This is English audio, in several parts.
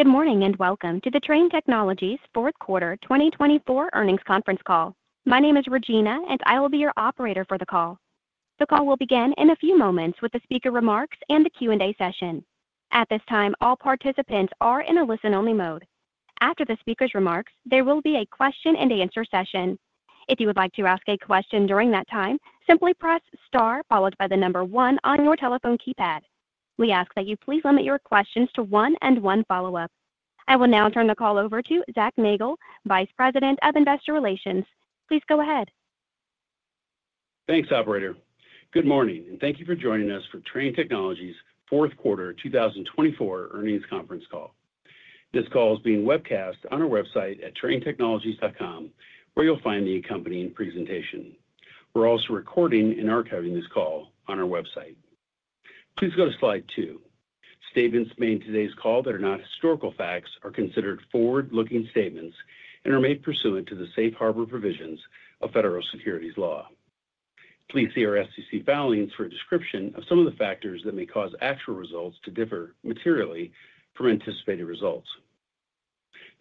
Good morning and welcome to the Trane Technologies Fourth Quarter 2024 earnings conference call. My name is Regina, and I will be your operator for the call. The call will begin in a few moments with the speaker remarks and the Q&A session. At this time, all participants are in a listen-only mode. After the speaker's remarks, there will be a question-and-answer session. If you would like to ask a question during that time, simply press star followed by the number one on your telephone keypad. We ask that you please limit your questions to one and one follow-up. I will now turn the call over to Zac Nagle, Vice President of Investor Relations. Please go ahead. Thanks, operator. Good morning, and thank you for joining us for Trane Technologies Fourth Quarter 2024 earnings conference call. This call is being webcast on our website at tranetechnologies.com, where you'll find the accompanying presentation. We're also recording and archiving this call on our website. Please go to slide two. Statements made in today's call that are not historical facts are considered forward-looking statements and are made pursuant to the safe harbor provisions of federal securities law. Please see our SEC filings for a description of some of the factors that may cause actual results to differ materially from anticipated results.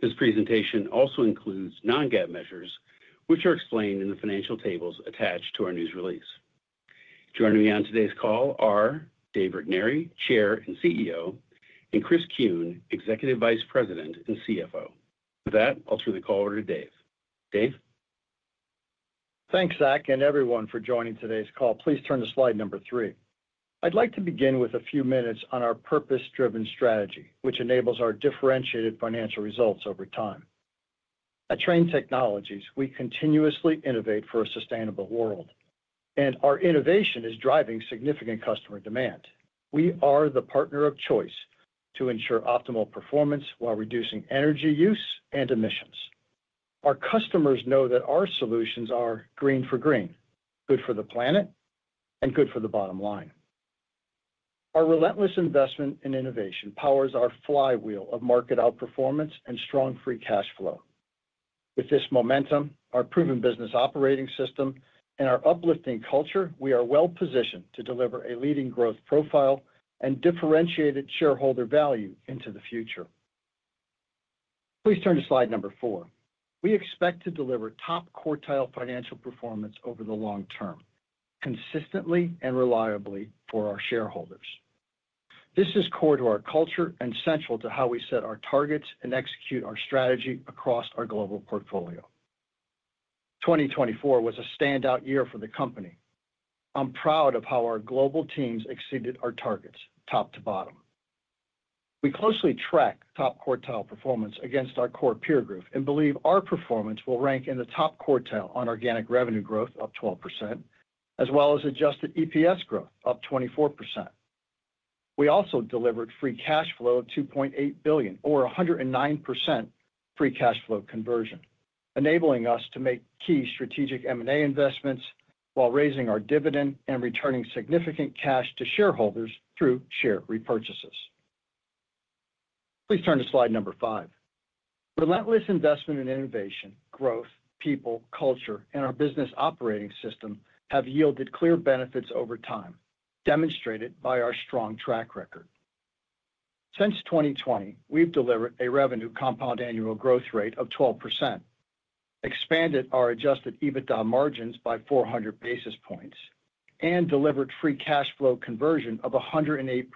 This presentation also includes non-GAAP measures, which are explained in the financial tables attached to our news release. Joining me on today's call are Dave Regnery, Chair and CEO, and Chris Kuehn, Executive Vice President and CFO. With that, I'll turn the call over to Dave. Dave? Thanks, Zac, and everyone for joining today's call. Please turn to slide number three. I'd like to begin with a few minutes on our purpose-driven strategy, which enables our differentiated financial results over time. At Trane Technologies, we continuously innovate for a sustainable world, and our innovation is driving significant customer demand. We are the partner of choice to ensure optimal performance while reducing energy use and emissions. Our customers know that our solutions are green for green, good for the planet, and good for the bottom line. Our relentless investment in innovation powers our flywheel of market outperformance and strong free cash flow. With this momentum, our proven business operating system, and our uplifting culture, we are well positioned to deliver a leading growth profile and differentiated shareholder value into the future. Please turn to slide number four. We expect to deliver top quartile financial performance over the long term, consistently and reliably for our shareholders. This is core to our culture and central to how we set our targets and execute our strategy across our global portfolio. 2024 was a standout year for the company. I'm proud of how our global teams exceeded our targets top to bottom. We closely track top quartile performance against our core peer group and believe our performance will rank in the top quartile on organic revenue growth up 12%, as well as adjusted EPS growth up 24%. We also delivered free cash flow of $2.8 billion, or 109% free cash flow conversion, enabling us to make key strategic M&A investments while raising our dividend and returning significant cash to shareholders through share repurchases. Please turn to slide number five. Relentless investment in innovation, growth, people, culture, and our business operating system have yielded clear benefits over time, demonstrated by our strong track record. Since 2020, we've delivered a revenue compound annual growth rate of 12%, expanded our adjusted EBITDA margins by 400 basis points, and delivered free cash flow conversion of 108%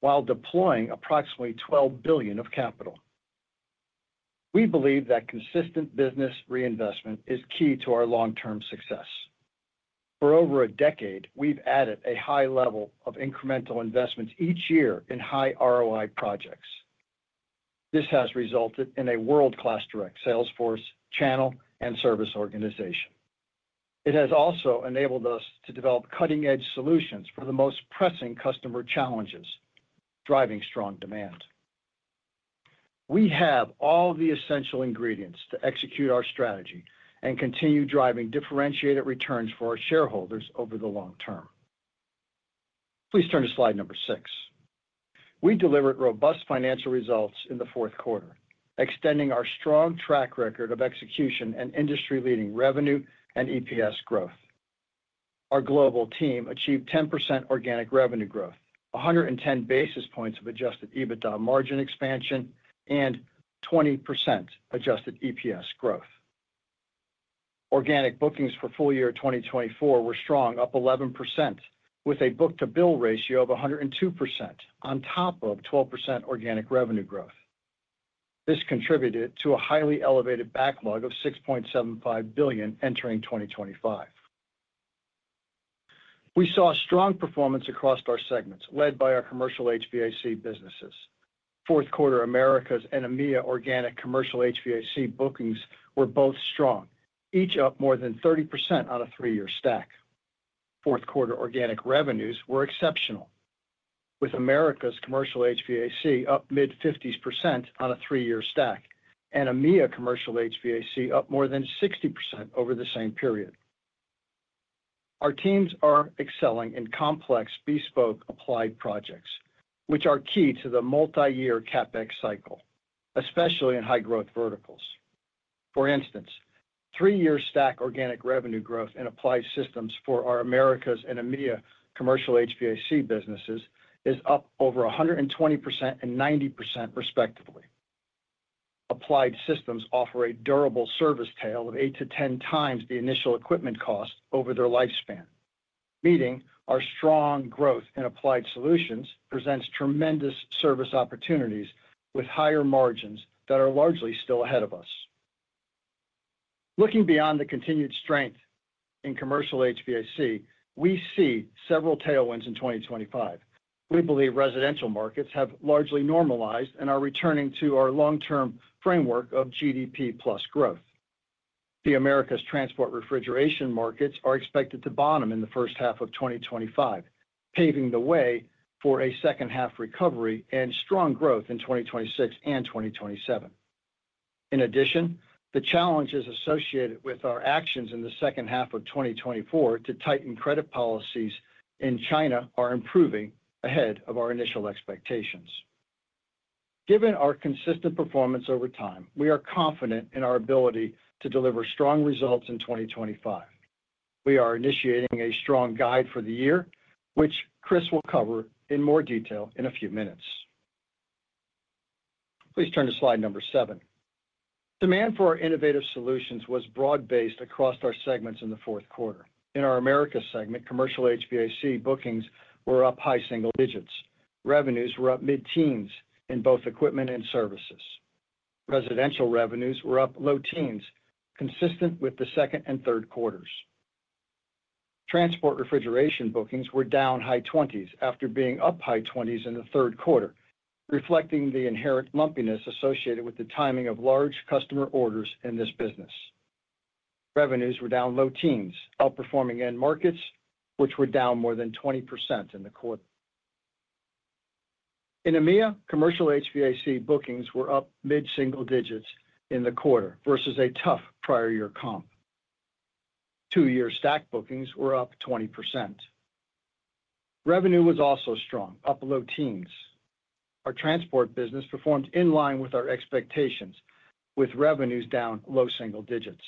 while deploying approximately $12 billion of capital. We believe that consistent business reinvestment is key to our long-term success. For over a decade, we've added a high level of incremental investments each year in high ROI projects. This has resulted in a world-class direct sales force, channel, and service organization. It has also enabled us to develop cutting-edge solutions for the most pressing customer challenges, driving strong demand. We have all the essential ingredients to execute our strategy and continue driving differentiated returns for our shareholders over the long term. Please turn to slide number six. We delivered robust financial results in the fourth quarter, extending our strong track record of execution and industry-leading revenue and EPS growth. Our global team achieved 10% organic revenue growth, 110 basis points of adjusted EBITDA margin expansion, and 20% adjusted EPS growth. Organic bookings for full year 2024 were strong, up 11%, with a book-to-bill ratio of 102% on top of 12% organic revenue growth. This contributed to a highly elevated backlog of $6.75 billion entering 2025. We saw strong performance across our segments, led by our commercial HVAC businesses. Fourth quarter Americas and EMEA organic commercial HVAC bookings were both strong, each up more than 30% on a three-year stack. Fourth quarter organic revenues were exceptional, with Americas commercial HVAC up mid-50% on a three-year stack and EMEA commercial HVAC up more than 60% over the same period. Our teams are excelling in complex bespoke Applied projects, which are key to the multi-year CapEx cycle, especially in high-growth verticals. For instance, three-year stack organic revenue growth in Applied Systems for our Americas and EMEA commercial HVAC businesses is up over 120% and 90%, respectively. Applied Systems offer a durable service tail of 8 to 10 times the initial equipment cost over their lifespan, meaning our strong growth in Applied solutions presents tremendous service opportunities with higher margins that are largely still ahead of us. Looking beyond the continued strength in commercial HVAC, we see several tailwinds in 2025. We believe residential markets have largely normalized and are returning to our long-term framework of GDP plus growth. The Americas transport refrigeration markets are expected to bottom in the first half of 2025, paving the way for a second-half recovery and strong growth in 2026 and 2027. In addition, the challenges associated with our actions in the second half of 2024 to tighten credit policies in China are improving ahead of our initial expectations. Given our consistent performance over time, we are confident in our ability to deliver strong results in 2025. We are initiating a strong guide for the year, which Chris will cover in more detail in a few minutes. Please turn to slide number seven. Demand for our innovative solutions was broad-based across our segments in the fourth quarter. In our Americas segment, Commercial HVAC bookings were up high single digits. Revenues were up mid-teens in both equipment and services. Residential revenues were up low teens, consistent with the second and third quarters. Transport refrigeration bookings were down high twenties after being up high twenties in the third quarter, reflecting the inherent lumpiness associated with the timing of large customer orders in this business. Revenues were down low teens, outperforming end markets, which were down more than 20% in the quarter. In EMEA, commercial HVAC bookings were up mid-single digits in the quarter versus a tough prior year comp. Two-year stack bookings were up 20%. Revenue was also strong, up low teens. Our transport business performed in line with our expectations, with revenues down low single digits.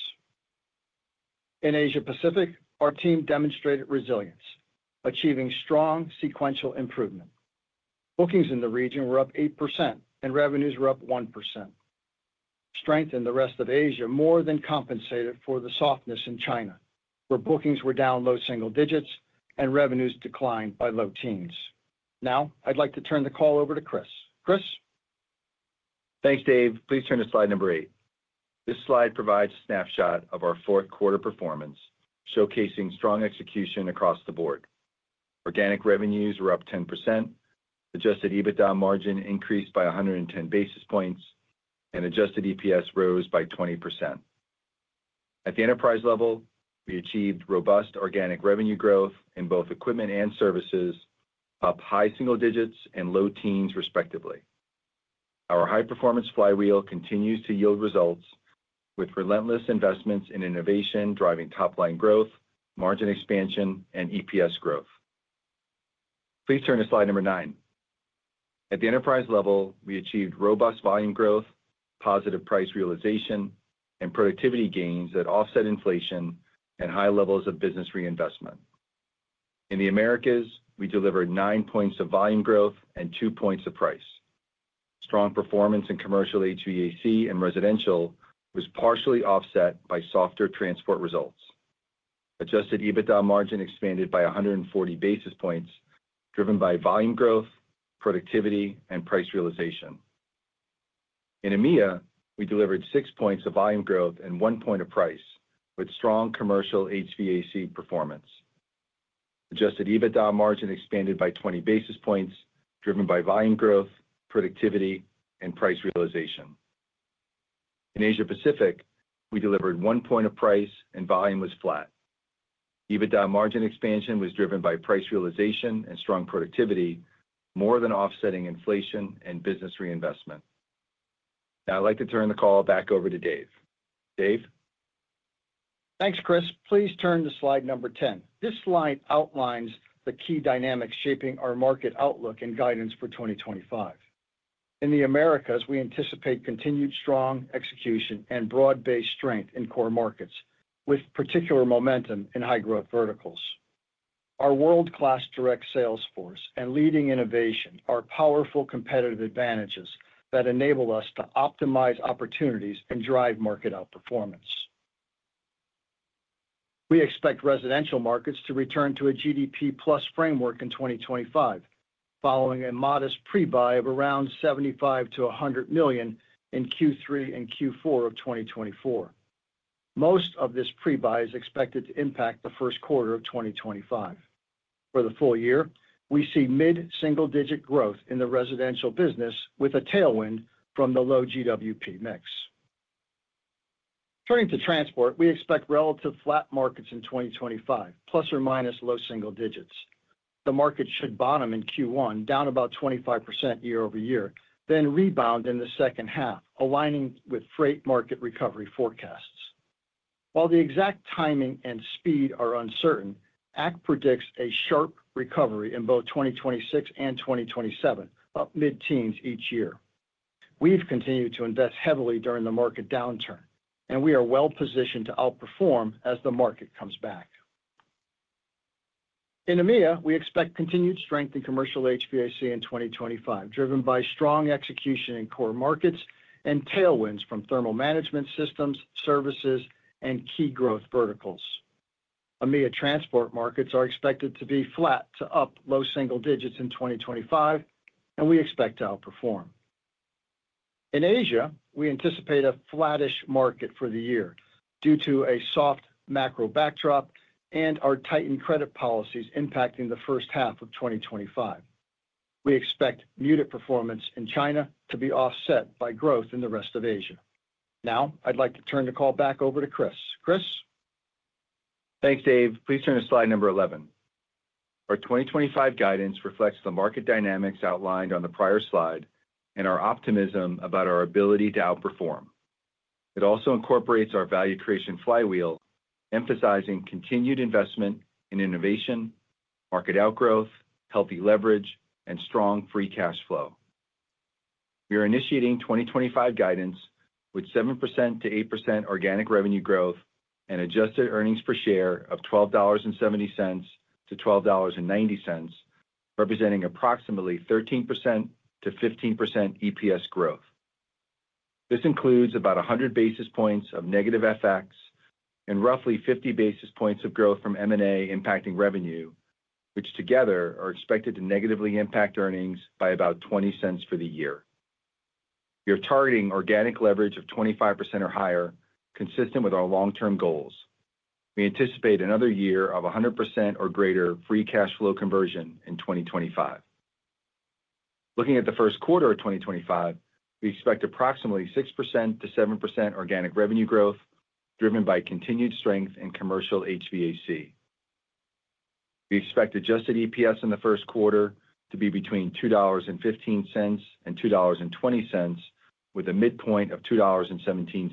In Asia-Pacific, our team demonstrated resilience, achieving strong sequential improvement. Bookings in the region were up 8%, and revenues were up 1%. Strength in the rest of Asia more than compensated for the softness in China, where bookings were down low single digits and revenues declined by low teens. Now, I'd like to turn the call over to Chris. Chris? Thanks, Dave. Please turn to slide number eight. This slide provides a snapshot of our fourth quarter performance, showcasing strong execution across the board. Organic revenues were up 10%. Adjusted EBITDA margin increased by 110 basis points, and adjusted EPS rose by 20%. At the enterprise level, we achieved robust organic revenue growth in both equipment and services, up high single digits and low teens, respectively. Our high-performance flywheel continues to yield results, with relentless investments in innovation driving top-line growth, margin expansion, and EPS growth. Please turn to slide number nine. At the enterprise level, we achieved robust volume growth, positive price realization, and productivity gains that offset inflation and high levels of business reinvestment. In the Americas, we delivered nine points of volume growth and two points of price. Strong performance in commercial HVAC and residential was partially offset by softer transport results. Adjusted EBITDA margin expanded by 140 basis points, driven by volume growth, productivity, and price realization. In EMEA, we delivered six points of volume growth and one point of price, with strong commercial HVAC performance. Adjusted EBITDA margin expanded by 20 basis points, driven by volume growth, productivity, and price realization. In Asia-Pacific, we delivered one point of price, and volume was flat. EBITDA margin expansion was driven by price realization and strong productivity, more than offsetting inflation and business reinvestment. Now, I'd like to turn the call back over to Dave. Dave? Thanks, Chris. Please turn to slide number 10. This slide outlines the key dynamics shaping our market outlook and guidance for 2025. In the Americas, we anticipate continued strong execution and broad-based strength in core markets, with particular momentum in high-growth verticals. Our world-class direct sales force and leading innovation are powerful competitive advantages that enable us to optimize opportunities and drive market outperformance. We expect residential markets to return to a GDP plus framework in 2025, following a modest pre-buy of around $75-$100 million in Q3 and Q4 of 2024. Most of this pre-buy is expected to impact the first quarter of 2025. For the full year, we see mid-single digit growth in the residential business, with a tailwind from the low GWP mix. Turning to transport, we expect relative flat markets in 2025, plus or minus low single digits. The market should bottom in Q1, down about 25% year over year, then rebound in the second half, aligning with freight market recovery forecasts. While the exact timing and speed are uncertain, ACT predicts a sharp recovery in both 2026 and 2027, up mid-teens each year. We've continued to invest heavily during the market downturn, and we are well positioned to outperform as the market comes back. In EMEA, we expect continued strength in commercial HVAC in 2025, driven by strong execution in core markets and tailwinds from thermal management systems, services, and key growth verticals. EMEA transport markets are expected to be flat to up low single digits in 2025, and we expect to outperform. In Asia, we anticipate a flattish market for the year due to a soft macro backdrop and our tightened credit policies impacting the first half of 2025. We expect muted performance in China to be offset by growth in the rest of Asia. Now, I'd like to turn the call back over to Chris. Chris? Thanks, Dave. Please turn to slide number 11. Our 2025 guidance reflects the market dynamics outlined on the prior slide and our optimism about our ability to outperform. It also incorporates our value creation flywheel, emphasizing continued investment in innovation, market outgrowth, healthy leverage, and strong free cash flow. We are initiating 2025 guidance with 7%-8% organic revenue growth and adjusted earnings per share of $12.70-$12.90, representing approximately 13%-15% EPS growth. This includes about 100 basis points of negative FX and roughly 50 basis points of growth from M&A impacting revenue, which together are expected to negatively impact earnings by about $0.20 for the year. We are targeting organic leverage of 25% or higher, consistent with our long-term goals. We anticipate another year of 100% or greater free cash flow conversion in 2025. Looking at the first quarter of 2025, we expect approximately 6%-7% organic revenue growth, driven by continued strength in commercial HVAC. We expect adjusted EPS in the first quarter to be between $2.15 and $2.20, with a midpoint of $2.17.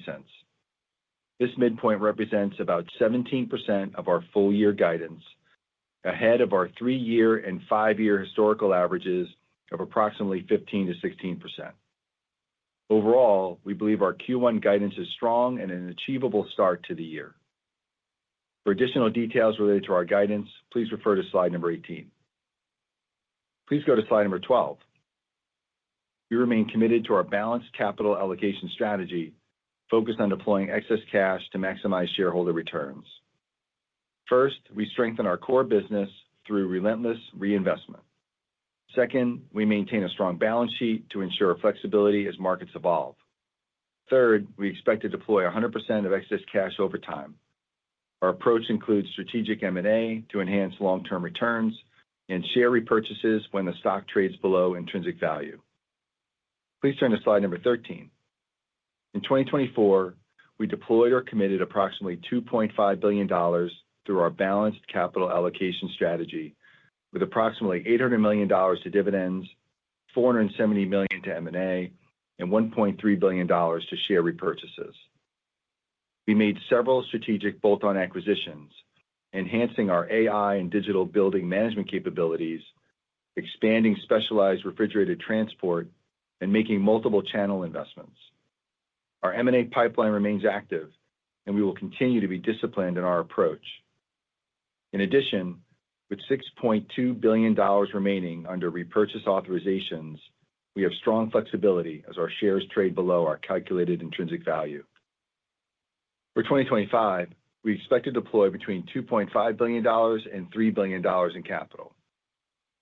This midpoint represents about 17% of our full year guidance, ahead of our three-year and five-year historical averages of approximately 15%-16%. Overall, we believe our Q1 guidance is strong and an achievable start to the year. For additional details related to our guidance, please refer to slide number 18. Please go to slide number 12. We remain committed to our balanced capital allocation strategy, focused on deploying excess cash to maximize shareholder returns. First, we strengthen our core business through relentless reinvestment. Second, we maintain a strong balance sheet to ensure flexibility as markets evolve. Third, we expect to deploy 100% of excess cash over time. Our approach includes strategic M&A to enhance long-term returns and share repurchases when the stock trades below intrinsic value. Please turn to slide number 13. In 2024, we deployed or committed approximately $2.5 billion through our balanced capital allocation strategy, with approximately $800 million to dividends, $470 million to M&A, and $1.3 billion to share repurchases. We made several strategic bolt-on acquisitions, enhancing our AI and digital building management capabilities, expanding specialized refrigerated transport, and making multiple channel investments. Our M&A pipeline remains active, and we will continue to be disciplined in our approach. In addition, with $6.2 billion remaining under repurchase authorizations, we have strong flexibility as our shares trade below our calculated intrinsic value. For 2025, we expect to deploy between $2.5 billion and $3 billion in capital.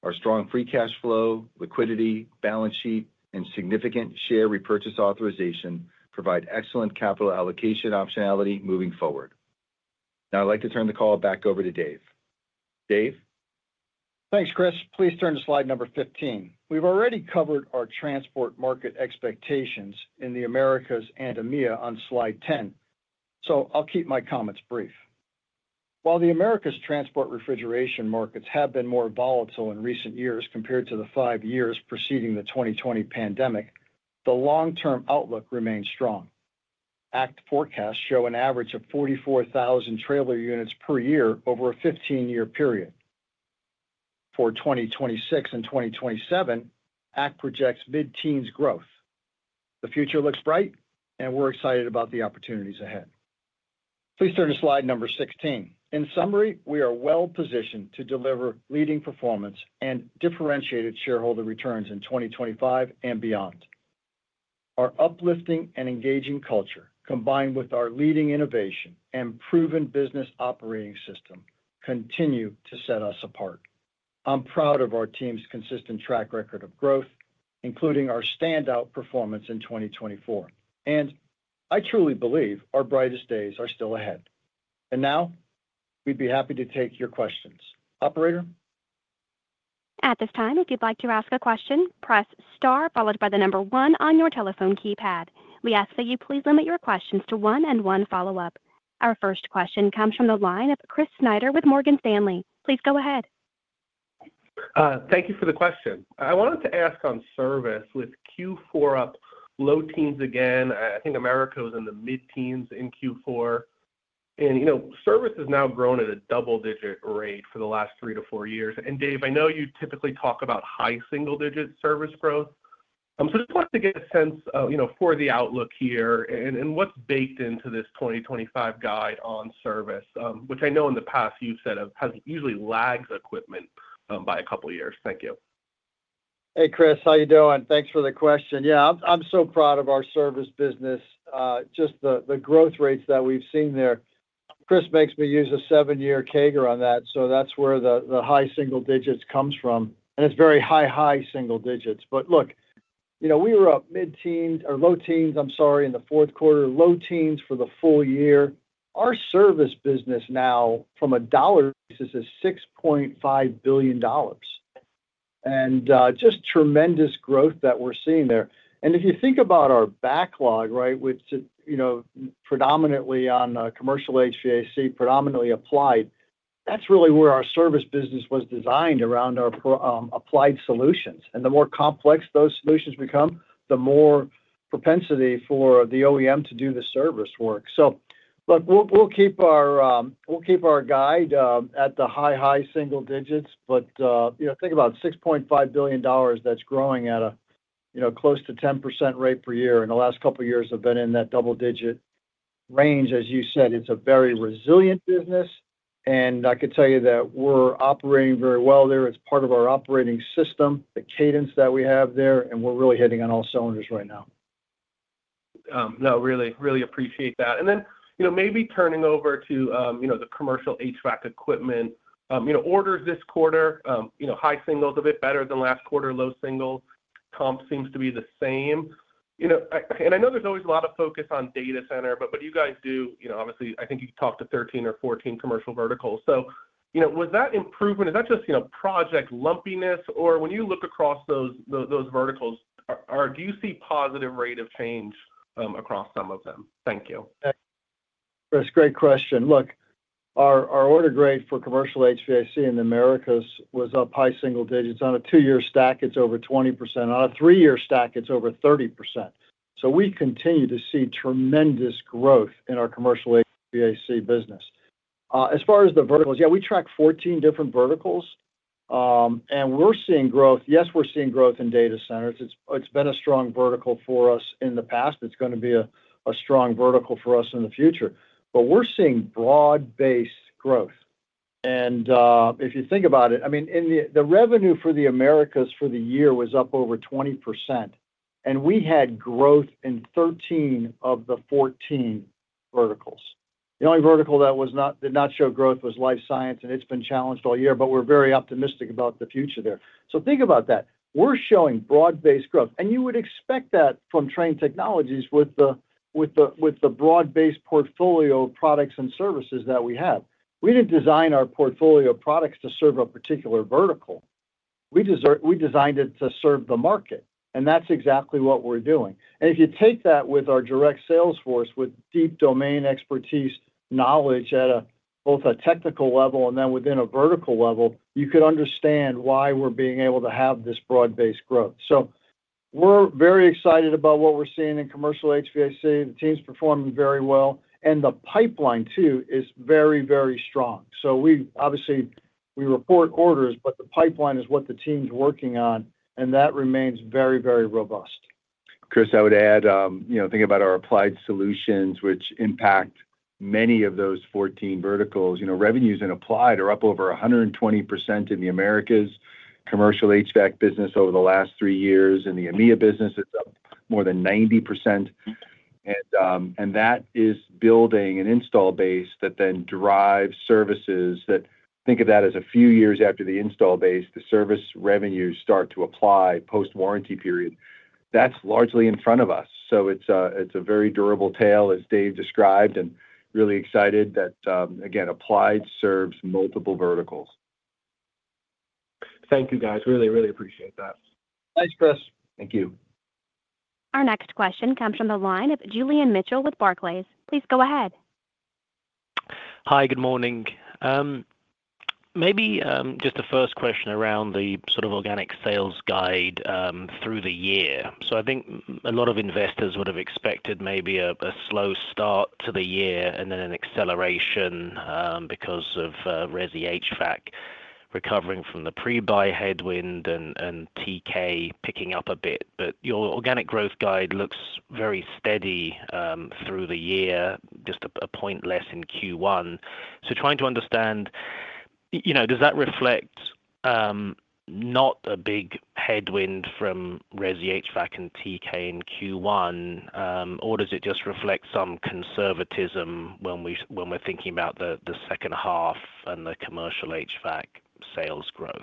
Our strong free cash flow, liquidity, balance sheet, and significant share repurchase authorization provide excellent capital allocation optionality moving forward. Now, I'd like to turn the call back over to Dave. Dave? Thanks, Chris. Please turn to slide number 15. We've already covered our transport market expectations in the Americas and EMEA on slide 10, so I'll keep my comments brief. While the Americas transport refrigeration markets have been more volatile in recent years compared to the five years preceding the 2020 pandemic, the long-term outlook remains strong. ACT forecasts show an average of 44,000 trailer units per year over a 15-year period. For 2026 and 2027, ACT projects mid-teens growth. The future looks bright, and we're excited about the opportunities ahead. Please turn to slide number 16. In summary, we are well positioned to deliver leading performance and differentiated shareholder returns in 2025 and beyond. Our uplifting and engaging culture, combined with our leading innovation and proven business operating system, continue to set us apart. I'm proud of our team's consistent track record of growth, including our standout performance in 2024. I truly believe our brightest days are still ahead. Now, we'd be happy to take your questions. Operator? At this time, if you'd like to ask a question, press star followed by the number one on your telephone keypad. We ask that you please limit your questions to one and one follow-up. Our first question comes from the line of Chris Snyder with Morgan Stanley. Please go ahead. Thank you for the question. I wanted to ask on service with Q4 up low teens again. I think Americas was in the mid-teens in Q4. Service has now grown at a double-digit rate for the last three to four years. Dave, I know you typically talk about high single-digit service growth. So I just wanted to get a sense for the outlook here and what's baked into this 2025 guide on service, which I know in the past you've said has usually lagged equipment by a couple of years. Thank you. Hey, Chris, how are you doing? Thanks for the question. Yeah, I'm so proud of our service business, just the growth rates that we've seen there. Chris makes me use a seven-year CAGR on that, so that's where the high single digits come from. And it's very high, high single digits. But look, we were up mid-teens or low teens, I'm sorry, in the fourth quarter, low teens for the full year. Our service business now, from a dollar basis, is $6.5 billion. And just tremendous growth that we're seeing there. And if you think about our backlog, right, which is predominantly on commercial HVAC, predominantly applied, that's really where our service business was designed around our applied solutions. And the more complex those solutions become, the more propensity for the OEM to do the service work. So look, we'll keep our guide at the high, high single digits, but think about $6.5 billion that's growing at a close to 10% rate per year. And the last couple of years have been in that double-digit range. As you said, it's a very resilient business, and I could tell you that we're operating very well there. It's part of our operating system, the cadence that we have there, and we're really hitting on all cylinders right now. No, really, really appreciate that. And then maybe turning over to the commercial HVAC equipment, orders this quarter, high singles a bit better than last quarter, low singles. Comp seems to be the same. And I know there's always a lot of focus on data center, but you guys do, obviously, I think you talked to 13 or 14 commercial verticals. So was that improvement, is that just project lumpiness, or when you look across those verticals, do you see a positive rate of change across some of them? Thank you. That's a great question. Look, our order growth for Commercial HVAC in the Americas was up high single digits. On a two-year stack, it's over 20%. On a three-year stack, it's over 30%. So we continue to see tremendous growth in our Commercial HVAC business. As far as the verticals, yeah, we track 14 different verticals, and we're seeing growth. Yes, we're seeing growth in data centers. It's been a strong vertical for us in the past. It's going to be a strong vertical for us in the future. But we're seeing broad-based growth. And if you think about it, I mean, the revenue for the Americas for the year was up over 20%, and we had growth in 13 of the 14 verticals. The only vertical that did not show growth was life science, and it's been challenged all year, but we're very optimistic about the future there. So think about that. We're showing broad-based growth, and you would expect that from Trane Technologies with the broad-based portfolio of products and services that we have. We didn't design our portfolio of products to serve a particular vertical. We designed it to serve the market, and that's exactly what we're doing. And if you take that with our direct sales force with deep domain expertise, knowledge at both a technical level and then within a vertical level, you could understand why we're being able to have this broad-based growth. So we're very excited about what we're seeing in commercial HVAC. The teams perform very well, and the pipeline too is very, very strong. So obviously, we report orders, but the pipeline is what the team's working on, and that remains very, very robust. Chris, I would add, thinking about our Applied solutions, which impact many of those 14 verticals, revenues in Applied are up over 120% in the Americas commercial HVAC business over the last three years, and the EMEA business is up more than 90%. And that is building an installed base that then drives services that think of that as a few years after the installed base, the service revenues start to apply post-warranty period. That's largely in front of us. So it's a very durable tail, as Dave described, and really excited that, again, Applied serves multiple verticals. Thank you, guys. Really, really appreciate that. Thanks, Chris. Thank you. Our next question comes from the line of Julian Mitchell with Barclays. Please go ahead. Hi, good morning. Maybe just a first question around the sort of organic sales guide through the year. So I think a lot of investors would have expected maybe a slow start to the year and then an acceleration because of Resi HVAC recovering from the pre-buy headwind and TK picking up a bit. But your organic growth guide looks very steady through the year, just a point less in Q1. So trying to understand, does that reflect not a big headwind from Resi HVAC and TK in Q1, or does it just reflect some conservatism when we're thinking about the second half and the commercial HVAC sales growth?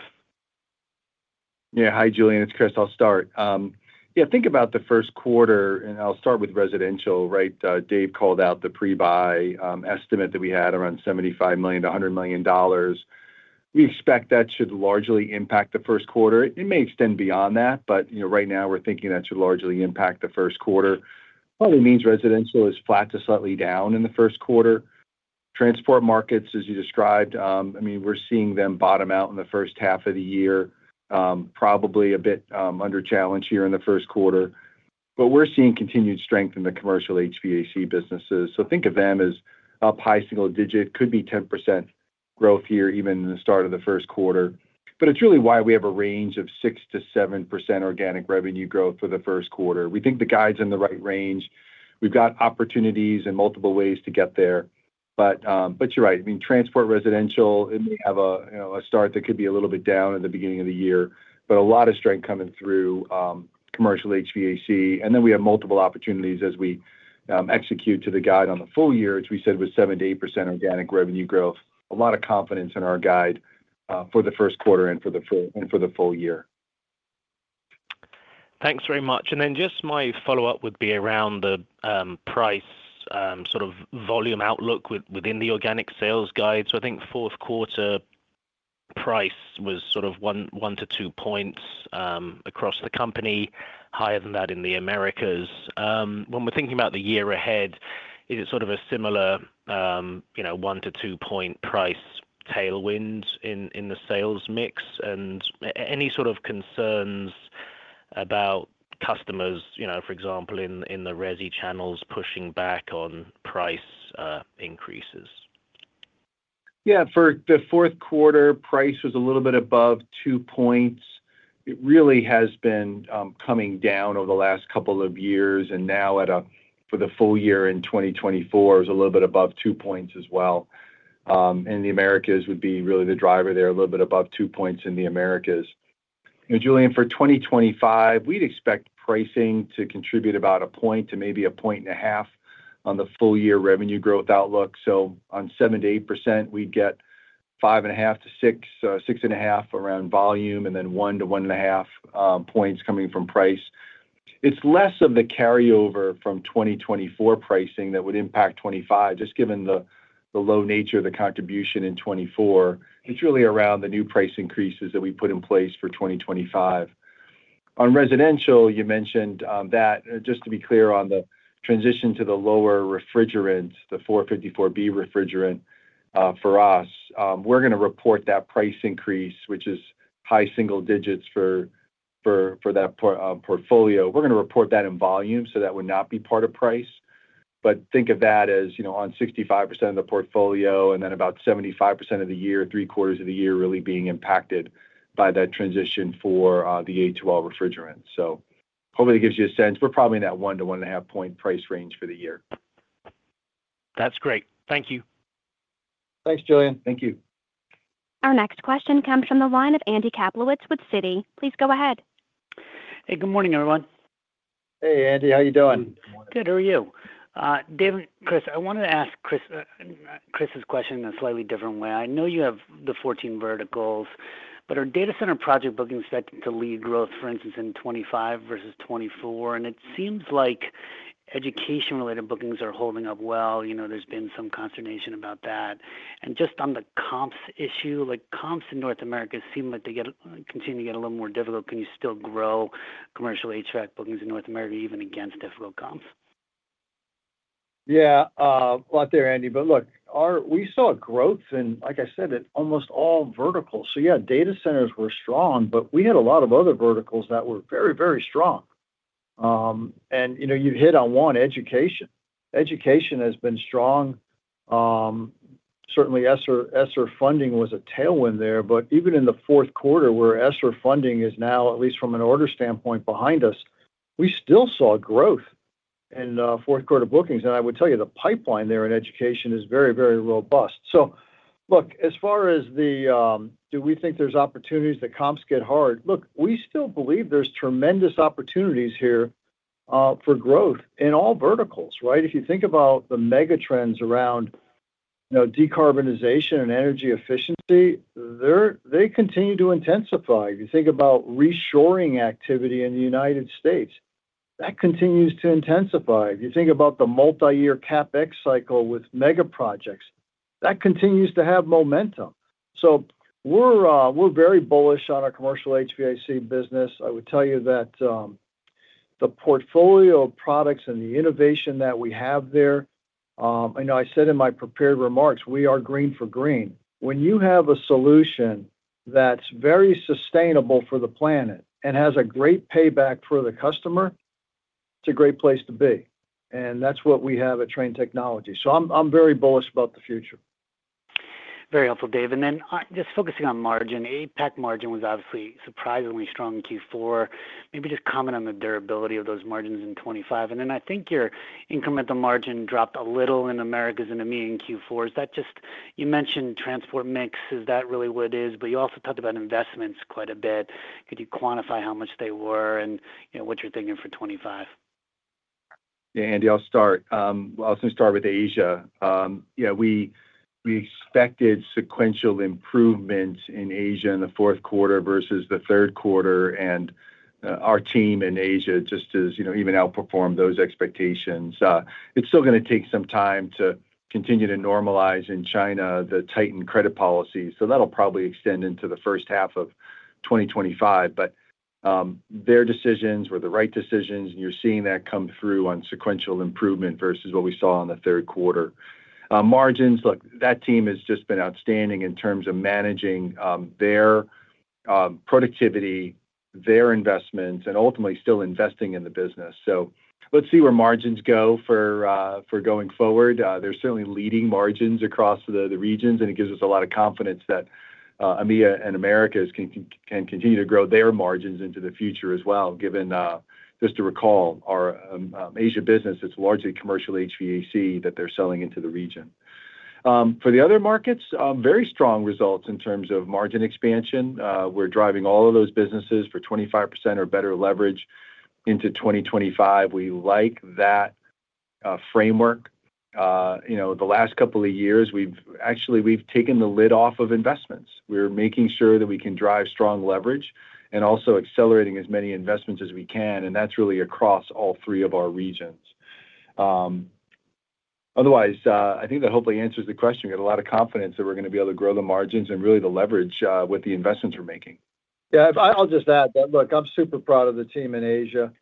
Yeah. Hi, Julian. It's Chris. I'll start. Yeah, think about the first quarter, and I'll start with residential, right? Dave called out the pre-buy estimate that we had around $75 million-$100 million. We expect that should largely impact the first quarter. It may extend beyond that, but right now, we're thinking that should largely impact the first quarter. What it means residential is flat to slightly down in the first quarter. Transport markets, as you described, I mean, we're seeing them bottom out in the first half of the year, probably a bit under challenge here in the first quarter. But we're seeing continued strength in the commercial HVAC businesses. So think of them as up high single digit, could be 10% growth here even in the start of the first quarter. But it's really why we have a range of 6%-7% organic revenue growth for the first quarter. We think the guide's in the right range. We've got opportunities in multiple ways to get there. But you're right. I mean, transport, residential, it may have a start that could be a little bit down at the beginning of the year, but a lot of strength coming through commercial HVAC. And then we have multiple opportunities as we execute to the guide on the full year, which we said was 7%-8% organic revenue growth. A lot of confidence in our guide for the first quarter and for the full year. Thanks very much. And then just my follow-up would be around the price sort of volume outlook within the organic sales guide. So I think fourth quarter price was sort of one-to-two points across the company, higher than that in the Americas. When we're thinking about the year ahead, is it sort of a similar one-to-two-point price tailwind in the sales mix? And any sort of concerns about customers, for example, in the Resi channels pushing back on price increases? Yeah. For the fourth quarter, price was a little bit above two points. It really has been coming down over the last couple of years. And now, for the full year in 2024, it was a little bit above two points as well. And the Americas would be really the driver there, a little bit above two points in the Americas. And Julian, for 2025, we'd expect pricing to contribute about a point to maybe a point and a half on the full-year revenue growth outlook. So on 7%-8%, we'd get 5.5%-6.5% around volume, and then 1%-1.5% points coming from price. It's less of the carryover from 2024 pricing that would impact 2025, just given the low nature of the contribution in 2024. It's really around the new price increases that we put in place for 2025. On residential, you mentioned that. Just to be clear on the transition to the lower refrigerant, the 454B refrigerant for us, we're going to report that price increase, which is high single digits for that portfolio. We're going to report that in volume, so that would not be part of price. But think of that as on 65% of the portfolio and then about 75% of the year, three quarters of the year really being impacted by that transition for the A2L refrigerant. So hopefully, it gives you a sense. We're probably in that 1% to 1.5% point price range for the year. That's great. Thank you. Thanks, Julian. Thank you. Our next question comes from the line of Andy Kaplowitz with Citi. Please go ahead. Hey, good morning, everyone. Hey, Andy. How are you doing? Good. How are you? David, Chris, I wanted to ask Chris's question in a slightly different way. I know you have the 14 verticals, but are data center project bookings set to lead growth, for instance, in 2025 versus 2024? And it seems like education-related bookings are holding up well. There's been some consternation about that. And just on the comps issue, comps in North America seem like they continue to get a little more difficult. Can you still grow commercial HVAC bookings in North America even against difficult comps? Yeah. I'm not there, Andy. But look, we saw growth in, like I said, almost all verticals. So yeah, data centers were strong, but we had a lot of other verticals that were very, very strong. And you've hit on one, education. Education has been strong. Certainly, ESSER funding was a tailwind there. But even in the fourth quarter, where ESSER funding is now, at least from an order standpoint, behind us, we still saw growth in fourth quarter bookings. And I would tell you the pipeline there in education is very, very robust. So look, as far as the do we think there's opportunities that comps get hard? Look, we still believe there's tremendous opportunities here for growth in all verticals, right? If you think about the megatrends around decarbonization and energy efficiency, they continue to intensify. If you think about reshoring activity in the United States, that continues to intensify. If you think about the multi-year CapEx cycle with mega projects, that continues to have momentum. So we're very bullish on our commercial HVAC business. I would tell you that the portfolio of products and the innovation that we have there, I know I said in my prepared remarks, we are green for green. When you have a solution that's very sustainable for the planet and has a great payback for the customer, it's a great place to be. And that's what we have at Trane Technologies. So I'm very bullish about the future. Very helpful, Dave. And then just focusing on margin, APAC margin was obviously surprisingly strong in Q4. Maybe just comment on the durability of those margins in 2025. And then I think your incremental margin dropped a little in Americas and EMEA in Q4. You mentioned transport mix. Is that really what it is? But you also talked about investments quite a bit. Could you quantify how much they were and what you're thinking for 2025? Yeah, Andy, I'll start. I'll start with Asia. Yeah, we expected sequential improvements in Asia in the fourth quarter versus the third quarter, and our team in Asia just has even outperformed those expectations. It's still going to take some time to continue to normalize in China the tightened credit policy. So that'll probably extend into the first half of 2025. But their decisions were the right decisions, and you're seeing that come through on sequential improvement versus what we saw in the third quarter. Margins, look, that team has just been outstanding in terms of managing their productivity, their investments, and ultimately still investing in the business. So let's see where margins go for going forward. They're certainly leading margins across the regions, and it gives us a lot of confidence that EMEA and Americas can continue to grow their margins into the future as well, given just to recall our Asia business, it's largely commercial HVAC that they're selling into the region. For the other markets, very strong results in terms of margin expansion. We're driving all of those businesses for 25% or better leverage into 2025. We like that framework. The last couple of years, actually, we've taken the lid off of investments. We're making sure that we can drive strong leverage and also accelerating as many investments as we can. And that's really across all three of our regions. Otherwise, I think that hopefully answers the question. We have a lot of confidence that we're going to be able to grow the margins and really the leverage with the investments we're making. Yeah. I'll just add that, look, I'm super proud of the team in Asia.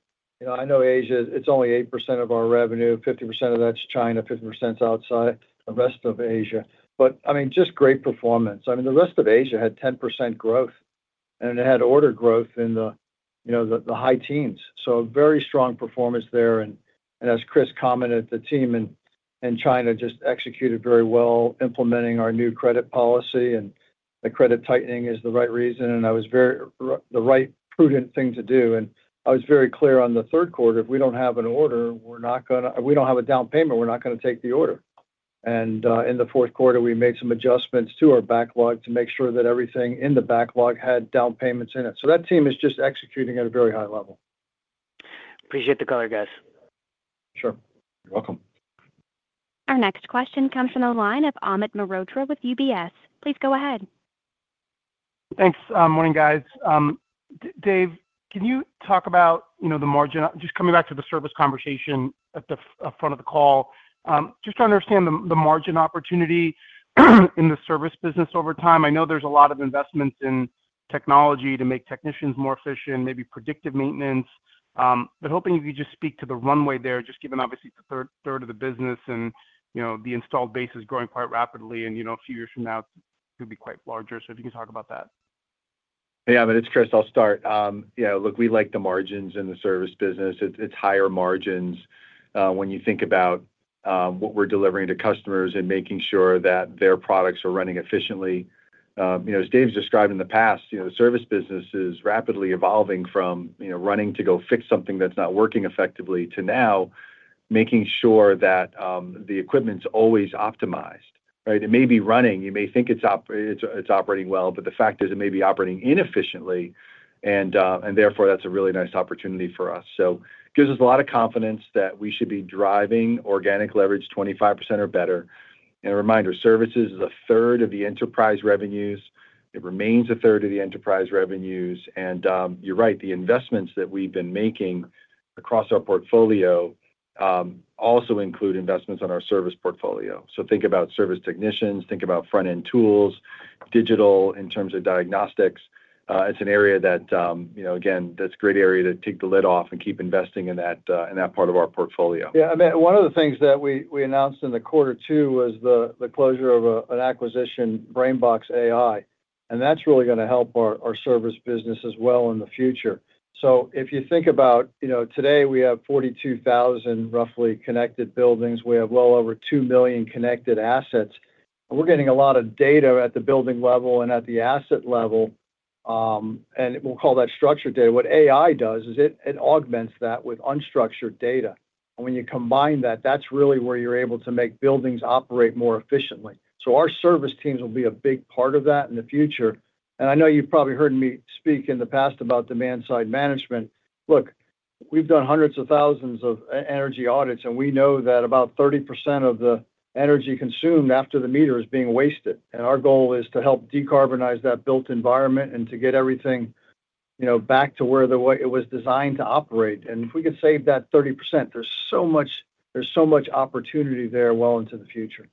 I know Asia, it's only 8% of our revenue. 50% of that's China, 50% 's outside, the rest of Asia. But I mean, just great performance. I mean, the rest of Asia had 10% growth, and it had order growth in the high teens. So very strong performance there. And as Chris commented, the team in China just executed very well implementing our new credit policy, and the credit tightening is the right reason. And that was the right prudent thing to do. And I was very clear on the third quarter, if we don't have a down payment, we're not going to take the order. In the fourth quarter, we made some adjustments to our backlog to make sure that everything in the backlog had down payments in it. That team is just executing at a very high level. Appreciate the color, guys. Sure. You're welcome. Our next question comes from the line of Amit Mehrotra with UBS. Please go ahead. Thanks. Morning, guys. Dave, can you talk about the margin? Just coming back to the service conversation at the front of the call, just to understand the margin opportunity in the service business over time. I know there's a lot of investments in technology to make technicians more efficient, maybe predictive maintenance. But hoping you could just speak to the runway there, just given, obviously, the third of the business and the installed base is growing quite rapidly. And a few years from now, it could be quite larger. So if you can talk about that. Yeah. But it's Chris. I'll start. Yeah. Look, we like the margins in the service business. It's higher margins when you think about what we're delivering to customers and making sure that their products are running efficiently. As Dave's described in the past, the service business is rapidly evolving from running to go fix something that's not working effectively to now making sure that the equipment's always optimized, right? It may be running. You may think it's operating well, but the fact is it may be operating inefficiently. And therefore, that's a really nice opportunity for us. So it gives us a lot of confidence that we should be driving organic leverage 25% or better. And a reminder, services is a third of the enterprise revenues. It remains a third of the enterprise revenues. And you're right, the investments that we've been making across our portfolio also include investments on our service portfolio. So think about service technicians, think about front-end tools, digital in terms of diagnostics. It's an area that, again, that's a great area to take the lid off and keep investing in that part of our portfolio. Yeah. I mean, one of the things that we announced in the quarter two was the closure of an acquisition, BrainBox AI. And that's really going to help our service business as well in the future. So if you think about today, we have 42,000 roughly connected buildings. We have well over 2 million connected assets. And we're getting a lot of data at the building level and at the asset level. And we'll call that structured data. What AI does is it augments that with unstructured data. And when you combine that, that's really where you're able to make buildings operate more efficiently. So our service teams will be a big part of that in the future. And I know you've probably heard me speak in the past about demand-side management. Look, we've done hundreds of thousands of energy audits, and we know that about 30% of the energy consumed after the meter is being wasted, and our goal is to help decarbonize that built environment and to get everything back to where it was designed to operate, and if we could save that 30%, there's so much opportunity there well into the future.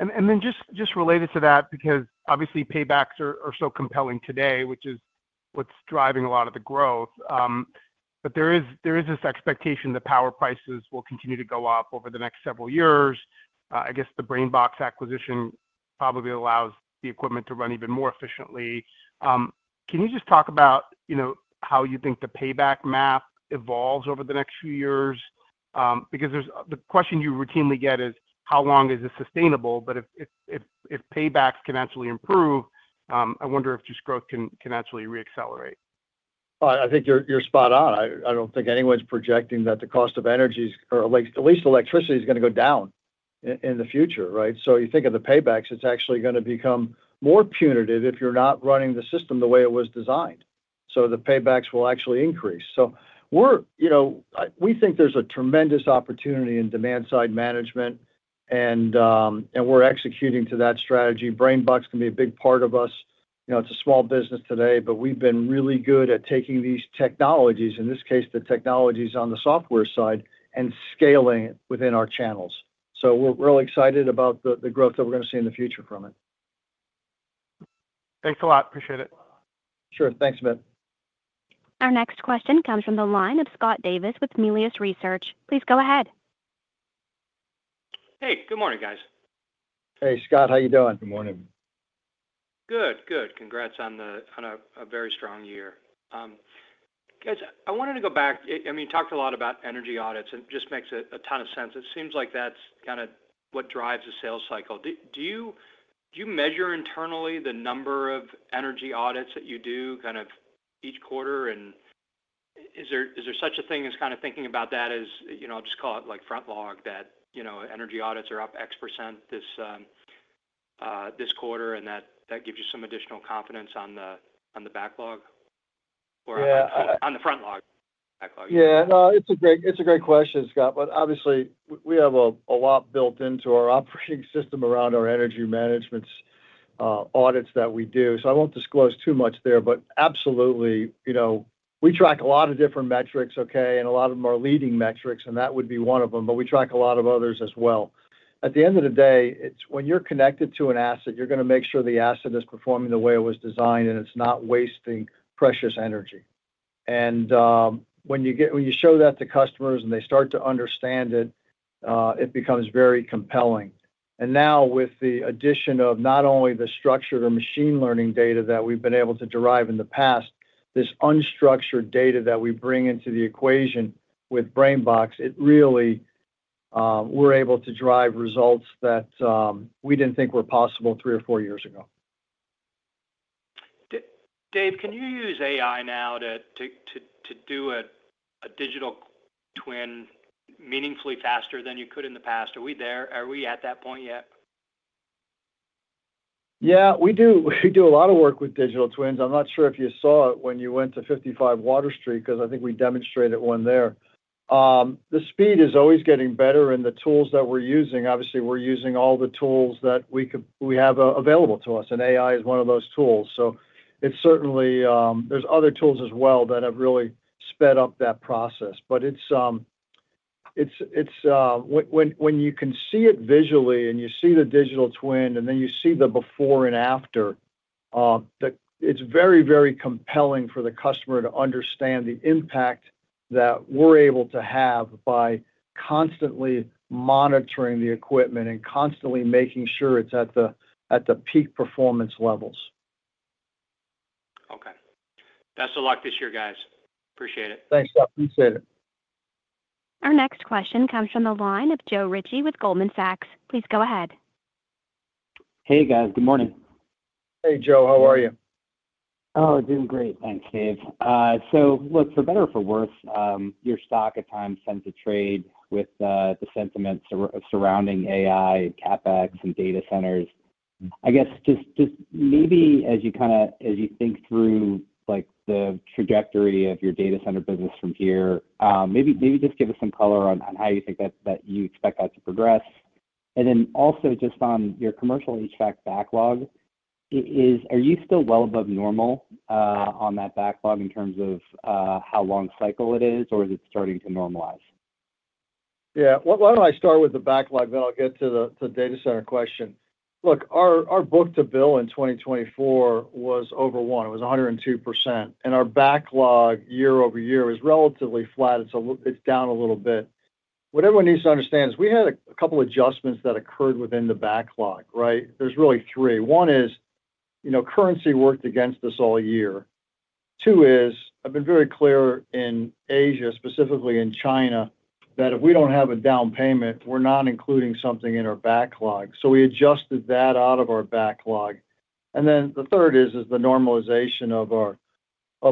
And then just related to that, because obviously, paybacks are so compelling today, which is what's driving a lot of the growth. But there is this expectation that power prices will continue to go up over the next several years. I guess the BrainBox acquisition probably allows the equipment to run even more efficiently. Can you just talk about how you think the payback map evolves over the next few years? Because the question you routinely get is, how long is it sustainable? But if paybacks can actually improve, I wonder if just growth can actually re-accelerate. I think you're spot on. I don't think anyone's projecting that the cost of energy or at least electricity is going to go down in the future, right? So you think of the paybacks, it's actually going to become more punitive if you're not running the system the way it was designed. So the paybacks will actually increase. So we think there's a tremendous opportunity in demand-side management, and we're executing to that strategy. BrainBox can be a big part of us. It's a small business today, but we've been really good at taking these technologies, in this case, the technologies on the software side, and scaling it within our channels. So we're really excited about the growth that we're going to see in the future from it. Thanks a lot. Appreciate it. Sure. Thanks, Amit. Our next question comes from the line of Scott Davis with Melius Research. Please go ahead. Hey, good morning, guys. Hey, Scott. How are you doing? Good morning. Good. Good. Congrats on a very strong year. Guys, I wanted to go back. I mean, you talked a lot about energy audits, and it just makes a ton of sense. It seems like that's kind of what drives the sales cycle. Do you measure internally the number of energy audits that you do kind of each quarter? And is there such a thing as kind of thinking about that as I'll just call it like front log, that energy audits are up X% this quarter, and that gives you some additional confidence on the backlog or on the front log? Yeah. No, it's a great question, Scott. But obviously, we have a lot built into our operating system around our energy management audits that we do. So I won't disclose too much there, but absolutely, we track a lot of different metrics, okay? And a lot of them are leading metrics, and that would be one of them. But we track a lot of others as well. At the end of the day, when you're connected to an asset, you're going to make sure the asset is performing the way it was designed and it's not wasting precious energy. And when you show that to customers and they start to understand it, it becomes very compelling. And now, with the addition of not only the structured or machine learning data that we've been able to derive in the past, this unstructured data that we bring into the equation with BrainBox, it really, we're able to drive results that we didn't think were possible three or four years ago. Dave, can you use AI now to do a digital twin meaningfully faster than you could in the past? Are we there? Are we at that point yet? Yeah. We do a lot of work with digital twins. I'm not sure if you saw it when you went to 55 Water Street because I think we demonstrated one there. The speed is always getting better in the tools that we're using. Obviously, we're using all the tools that we have available to us, and AI is one of those tools. So there's other tools as well that have really sped up that process. But when you can see it visually and you see the digital twin and then you see the before and after, it's very, very compelling for the customer to understand the impact that we're able to have by constantly monitoring the equipment and constantly making sure it's at the peak performance levels. Okay. Best of luck this year, guys. Appreciate it. Thanks, Scott. Appreciate it. Our next question comes from the line of Joe Ritchie with Goldman Sachs. Please go ahead. Hey, guys. Good morning. Hey, Joe. How are you? Oh, doing great. Thanks, Dave. So look, for better or for worse, your stock at times tends to trade with the sentiments surrounding AI, CapEx, and data centers. I guess just maybe as you kind of think through the trajectory of your data center business from here, maybe just give us some color on how you think that you expect that to progress. And then also just on your commercial HVAC backlog, are you still well above normal on that backlog in terms of how long cycle it is, or is it starting to normalize? Yeah. Why don't I start with the backlog, then I'll get to the data center question. Look, our book to bill in 2024 was over one. It was 102%. And our backlog year over year is relatively flat. It's down a little bit. What everyone needs to understand is we had a couple of adjustments that occurred within the backlog, right? There's really three. One is currency worked against us all year. Two is I've been very clear in Asia, specifically in China, that if we don't have a down payment, we're not including something in our backlog. So we adjusted that out of our backlog. And then the third is the normalization of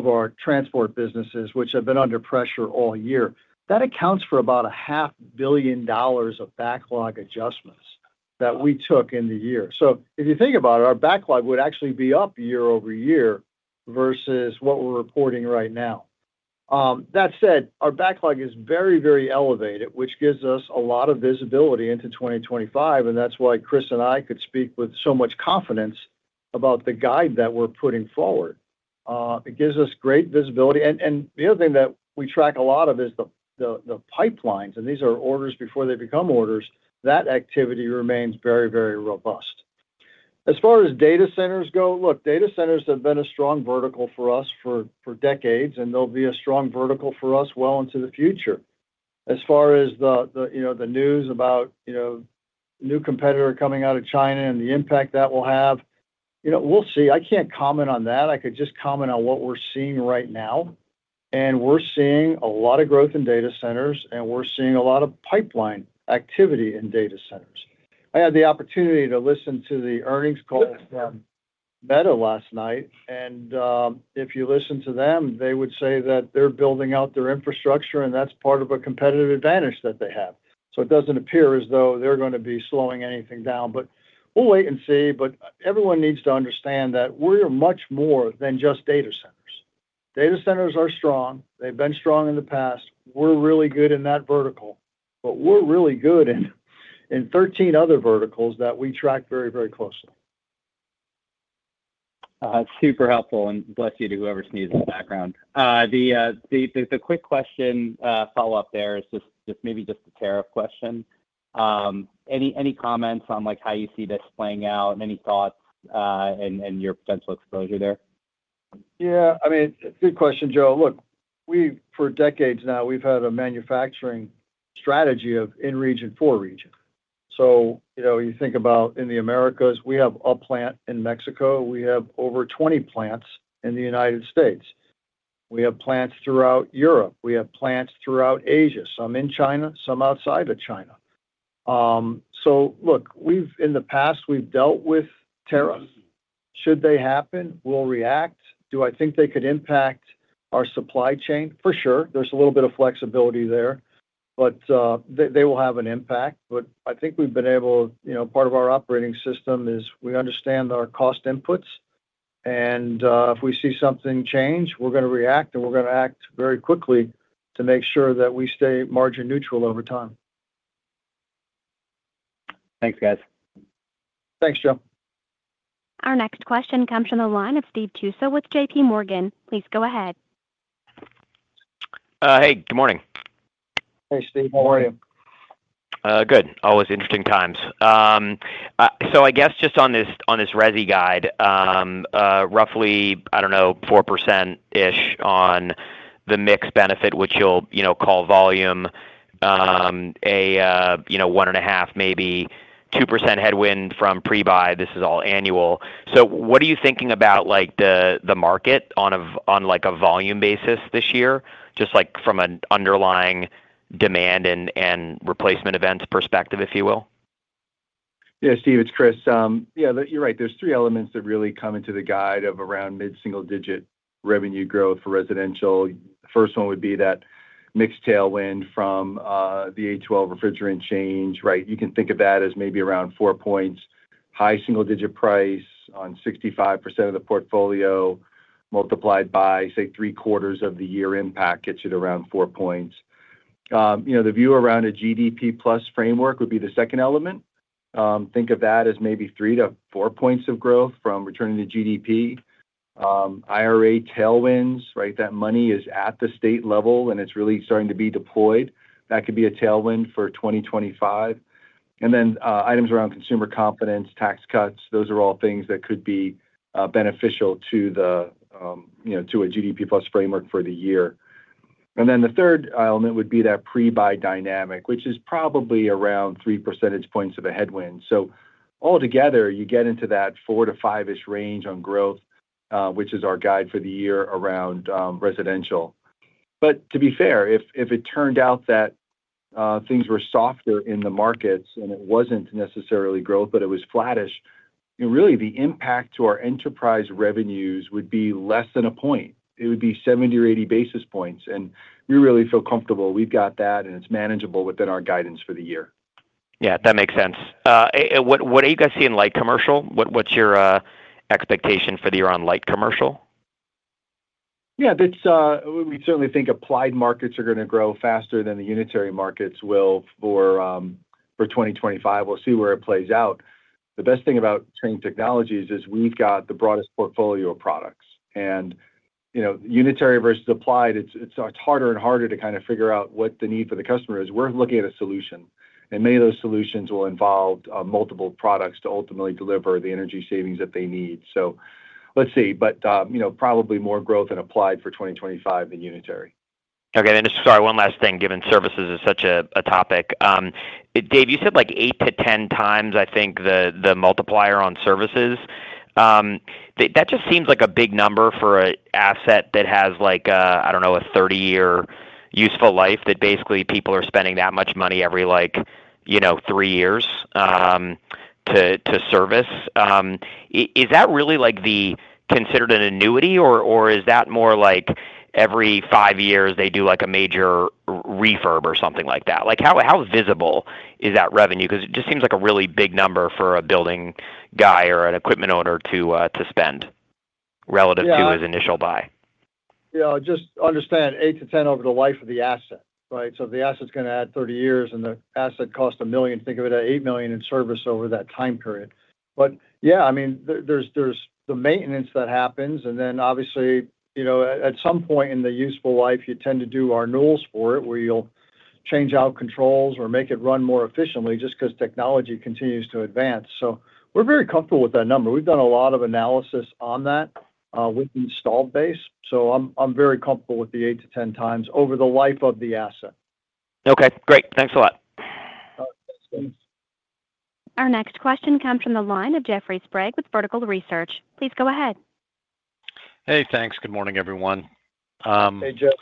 our transport businesses, which have been under pressure all year. That accounts for about $500 million of backlog adjustments that we took in the year. So if you think about it, our backlog would actually be up year over year versus what we're reporting right now. That said, our backlog is very, very elevated, which gives us a lot of visibility into 2025. And that's why Chris and I could speak with so much confidence about the guide that we're putting forward. It gives us great visibility. And the other thing that we track a lot of is the pipelines. And these are orders before they become orders. That activity remains very, very robust. As far as data centers go, look, data centers have been a strong vertical for us for decades, and they'll be a strong vertical for us well into the future. As far as the news about a new competitor coming out of China and the impact that will have, we'll see. I can't comment on that. I could just comment on what we're seeing right now, and we're seeing a lot of growth in data centers, and we're seeing a lot of pipeline activity in data centers. I had the opportunity to listen to the earnings call from Meta last night, and if you listen to them, they would say that they're building out their infrastructure, and that's part of a competitive advantage that they have, so it doesn't appear as though they're going to be slowing anything down. But we'll wait and see, but everyone needs to understand that we're much more than just data centers. Data centers are strong. They've been strong in the past. We're really good in that vertical, but we're really good in 13 other verticals that we track very, very closely. That's super helpful. And bless you to whoever needs the background. The quick question follow-up there is just maybe just a tariff question. Any comments on how you see this playing out and any thoughts and your potential exposure there? Yeah. I mean, good question, Joe. Look, for decades now, we've had a manufacturing strategy of in region for region. So you think about in the Americas, we have a plant in Mexico. We have over 20 plants in the United States. We have plants throughout Europe. We have plants throughout Asia, some in China, some outside of China. So look, in the past, we've dealt with tariffs. Should they happen, we'll react. Do I think they could impact our supply chain? For sure. There's a little bit of flexibility there, but they will have an impact. But I think we've been able to part of our operating system is we understand our cost inputs. And if we see something change, we're going to react, and we're going to act very quickly to make sure that we stay margin neutral over time. Thanks, guys. Thanks, Joe. Our next question comes from the line of Steve Tuso with JPMorgan. Please go ahead. Hey, good morning. Hey, Steve. How are you? Good. Always interesting times. So I guess just on this Resi guide, roughly, I don't know, 4%-ish on the mixed benefit, which you'll call volume, a one and a half, maybe 2% headwind from pre-buy. This is all annual. So what are you thinking about the market on a volume basis this year, just from an underlying demand and replacement events perspective, if you will? Yeah, Steve, it's Chris. Yeah, you're right. There's three elements that really come into the guide of around mid-single-digit revenue growth for residential. The first one would be that mix tailwind from the A2L refrigerant change, right? You can think of that as maybe around four points. High single-digit price on 65% of the portfolio multiplied by, say, three-quarters of the year impact gets you to around four points. The view around a GDP-plus framework would be the second element. Think of that as maybe three-four points of growth from returning to GDP. IRA tailwinds, right? That money is at the state level, and it's really starting to be deployed. That could be a tailwind for 2025. And then items around consumer confidence, tax cuts, those are all things that could be beneficial to a GDP-plus framework for the year. And then the third element would be that pre-buy dynamic, which is probably around three percentage points of a headwind. So altogether, you get into that four to five-ish range on growth, which is our guide for the year around residential. But to be fair, if it turned out that things were softer in the markets and it wasn't necessarily growth, but it was flattish, really the impact to our enterprise revenues would be less than a point. It would be 70 or 80 basis points. And we really feel comfortable. We've got that, and it's manageable within our guidance for the year. Yeah. That makes sense. What are you guys seeing light commercial? What's your expectation for the year on light commercial? Yeah. We certainly think applied markets are going to grow faster than the unitary markets will for 2025. We'll see where it plays out. The best thing about Trane Technologies is we've got the broadest portfolio of products. And unitary versus applied, it's harder and harder to kind of figure out what the need for the customer is. We're looking at a solution. And many of those solutions will involve multiple products to ultimately deliver the energy savings that they need. So let's see. But probably more growth in applied for 2025 than unitary. Okay. And sorry, one last thing. Given services is such a topic. Dave, you said like eight to 10 times, I think, the multiplier on services. That just seems like a big number for an asset that has, I don't know, a 30-year useful life that basically people are spending that much money every three years to service. Is that really considered an annuity, or is that more like every five years they do a major refurb or something like that? How visible is that revenue? Because it just seems like a really big number for a building guy or an equipment owner to spend relative to his initial buy. Yeah. Just understand 8 to 10 over the life of the asset, right? So the asset's going to add 30 years, and the asset costs $1 million. Think of it at $8 million in service over that time period. But yeah, I mean, there's the maintenance that happens. And then obviously, at some point in the useful life, you tend to do our renewals for it where you'll change out controls or make it run more efficiently just because technology continues to advance. So we're very comfortable with that number. We've done a lot of analysis on that with installed base. So I'm very comfortable with the 8 to 10 times over the life of the asset. Okay. Great. Thanks a lot. Our next question comes from the line of Jeffrey Sprague with Vertical Research. Please go ahead. Hey, thanks. Good morning, everyone. Hey, Jeff.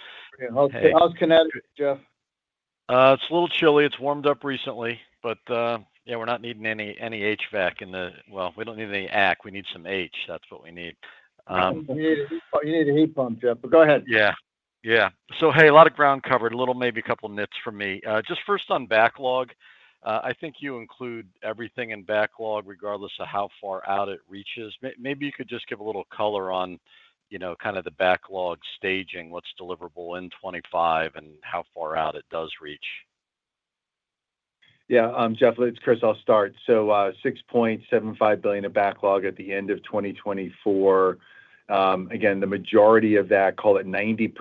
How's Connecticut, Jeff? It's a little chilly. It's warmed up recently. But yeah, we're not needing any HVAC in the well, we don't need any AC. We need some H. That's what we need. You need a heat pump, Jeff, but go ahead. Yeah. Yeah. So hey, a lot of ground covered. A little, maybe a couple of nits from me. Just first on backlog, I think you include everything in backlog regardless of how far out it reaches. Maybe you could just give a little color on kind of the backlog staging, what's deliverable in 2025, and how far out it does reach. Yeah. Jeff, it's Chris. I'll start. So $6.75 billion of backlog at the end of 2024. Again, the majority of that, call it 90%,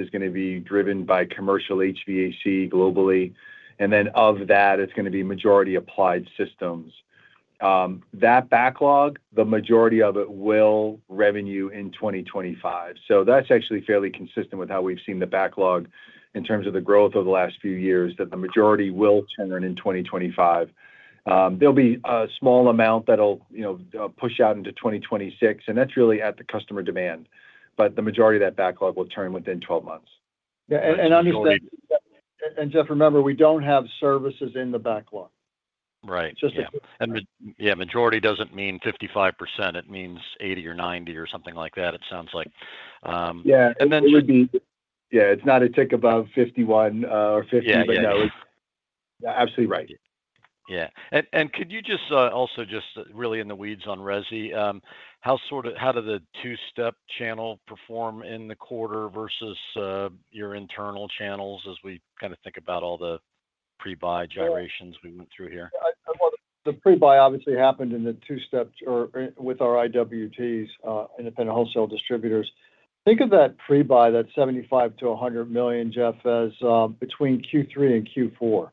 is going to be driven by commercial HVAC globally. And then of that, it's going to be majority Applied Systems. That backlog, the majority of it will revenue in 2025. So that's actually fairly consistent with how we've seen the backlog in terms of the growth over the last few years that the majority will turn in 2025. There'll be a small amount that'll push out into 2026, and that's really at the customer demand. But the majority of that backlog will turn within 12 months. Yeah, and understand, Jeff, remember, we don't have services in the backlog. Right. Yeah. Majority doesn't mean 55%. It means 80 or 90 or something like that, it sounds like. Yeah. It would be. Yeah. It's not a tick above 51 or 50, but no. Yeah. Absolutely right. Yeah, and could you just also really in the weeds on Resi, how do the two-step channel perform in the quarter versus your internal channels as we kind of think about all the pre-buy gyrations we went through here? The pre-buy obviously happened in the two-step with our IWTs, independent wholesale distributors. Think of that pre-buy, that $75-$100 million, Jeff, as between Q3 and Q4, all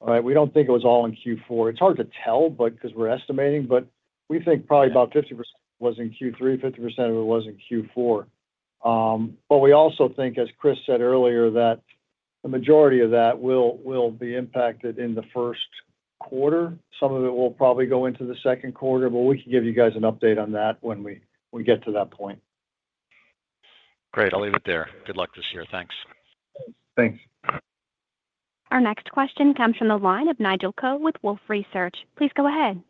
right? We don't think it was all in Q4. It's hard to tell because we're estimating, but we think probably about 50% was in Q3, 50% of it was in Q4. But we also think, as Chris said earlier, that the majority of that will be impacted in the first quarter. Some of it will probably go into the second quarter, but we can give you guys an update on that when we get to that point. Great. I'll leave it there. Good luck this year. Thanks. Thanks. Our next question comes from the line of Nigel Coe with Wolfe Research. Please go ahead.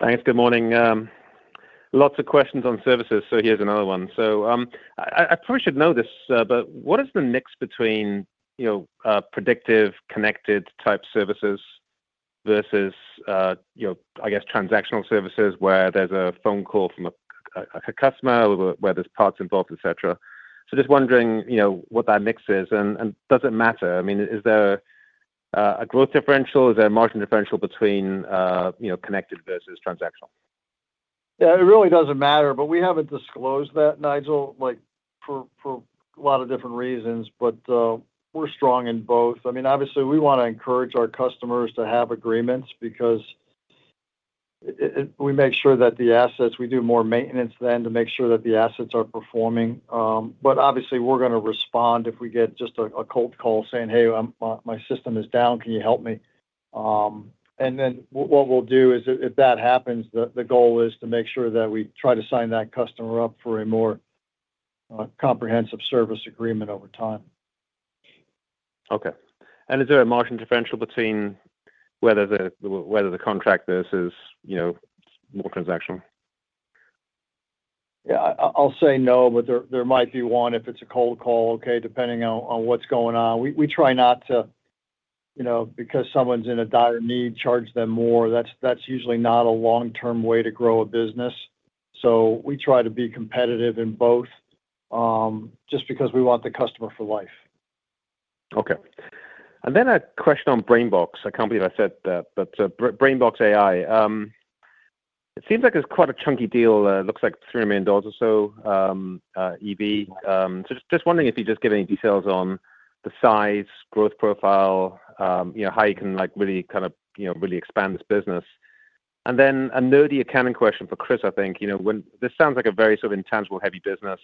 Thanks. Good morning. Lots of questions on services. So here's another one. So I probably should know this, but what is the mix between predictive connected type services versus, I guess, transactional services where there's a phone call from a customer, where there's parts involved, etc.? So just wondering what that mix is, and does it matter? I mean, is there a growth differential? Is there a margin differential between connected versus transactional? Yeah. It really doesn't matter, but we haven't disclosed that, Nigel, for a lot of different reasons. But we're strong in both. I mean, obviously, we want to encourage our customers to have agreements because we make sure that the assets we do more maintenance than to make sure that the assets are performing. But obviously, we're going to respond if we get just a cold call saying, "Hey, my system is down. Can you help me?" And then what we'll do is if that happens, the goal is to make sure that we try to sign that customer up for a more comprehensive service agreement over time. Okay. And is there a margin differential between whether the contract versus more transactional? Yeah. I'll say no, but there might be one if it's a cold call, okay, depending on what's going on. We try not to charge them more because someone's in a dire need. That's usually not a long-term way to grow a business, so we try to be competitive in both just because we want the customer for life. Okay. And then a question on BrainBox AI, a company that I said, but BrainBox AI. It seems like it's quite a chunky deal. It looks like $3 million or so EV. So just wondering if you'd just give any details on the size, growth profile, how you can really kind of really expand this business. And then a nerdy accounting question for Chris, I think. This sounds like a very sort of intangible heavy business.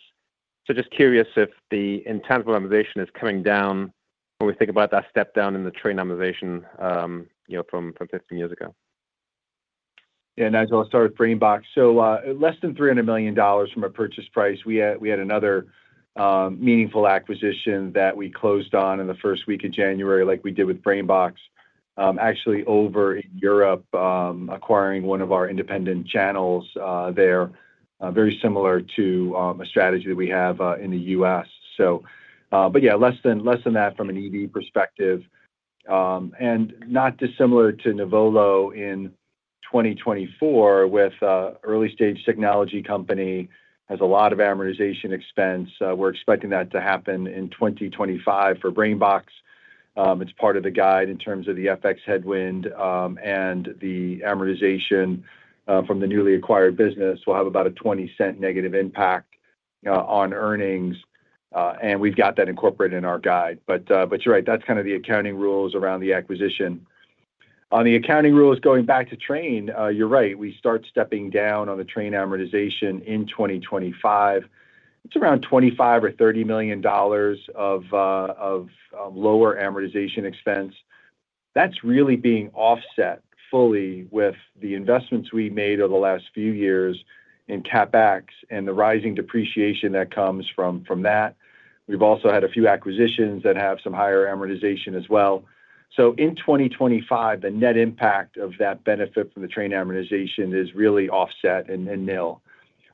So just curious if the intangible amortization is coming down when we think about that step down in the Trane amortization from 15 years ago. Yeah.Nigel, I'll start with BrainBox AI. So less than $300 million from a purchase price. We had another meaningful acquisition that we closed on in the first week of January, like we did with BrainBox, actually over in Europe, acquiring one of our independent channels there, very similar to a strategy that we have in the US. But yeah, less than that from an EV perspective. And not dissimilar to Nuvolo in 2024 with early-stage technology company. Has a lot of amortization expense. We're expecting that to happen in 2025 for BrainBox. It's part of the guide in terms of the FX headwind and the amortization from the newly acquired business. We'll have about a $0.20 negative impact on earnings. And we've got that incorporated in our guide. But you're right. That's kind of the accounting rules around the acquisition. On the accounting rules, going back to Trane, you're right. We start stepping down on the Trane amortization in 2025. It's around $25 million or $30 million of lower amortization expense. That's really being offset fully with the investments we made over the last few years in CapEx and the rising depreciation that comes from that. We've also had a few acquisitions that have some higher amortization as well. So in 2025, the net impact of that benefit from the Trane amortization is really offset and nil.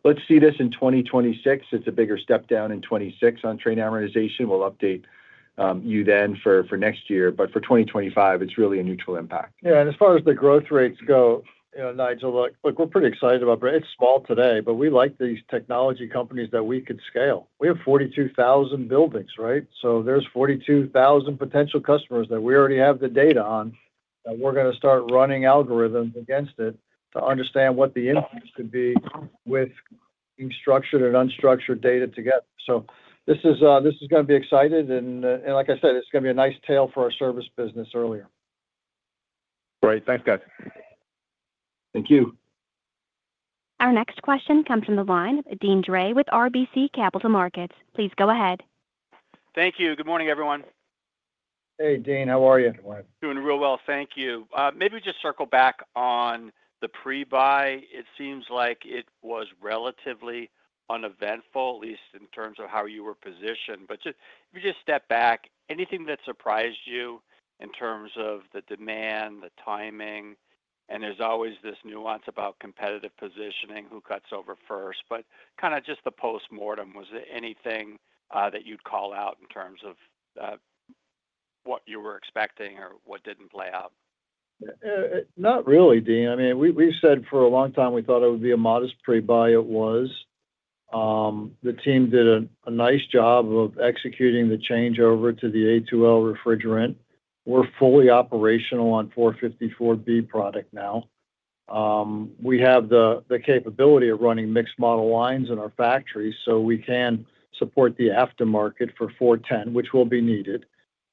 Let's see this in 2026. It's a bigger step down in 2026 on Trane amortization. We'll update you then for next year. But for 2025, it's really a neutral impact. Yeah, and as far as the growth rates go, Nigel, look, we're pretty excited about it. It's small today, but we like these technology companies that we could scale. We have 42,000 buildings, right, so there's 42,000 potential customers that we already have the data on that we're going to start running algorithms against it to understand what the impact could be with structured and unstructured data together. So this is going to be exciting, and like I said, it's going to be a nice tailwind for our service business earlier. Great. Thanks, guys. Thank you. Our next question comes from the line of Deane Dray with RBC Capital Markets. Please go ahead. Thank you. Good morning, everyone. Hey, Dean. How are you? Doing real well. Thank you. Maybe we just circle back on the pre-buy. It seems like it was relatively uneventful, at least in terms of how you were positioned. But if you just step back, anything that surprised you in terms of the demand, the timing? And there's always this nuance about competitive positioning, who cuts over first. But kind of just the postmortem, was there anything that you'd call out in terms of what you were expecting or what didn't play out? Not really, Dean. I mean, we said for a long time we thought it would be a modest pre-buy. It was. The team did a nice job of executing the changeover to the A2L refrigerant. We're fully operational on 454B product now. We have the capability of running mixed model lines in our factories, so we can support the aftermarket for 410, which will be needed.